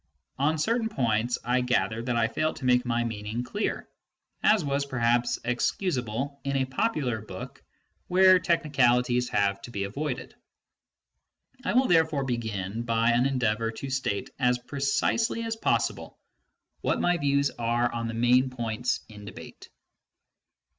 On certain points, I gather that I failed to make my meaning clear, as was perhaps excusable in a popular book where technicalities have to be avoided. I will therefore begin by an endeavour to state as precisely as possible what my views are on the main points in de bate.